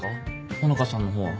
穂香さんの方は。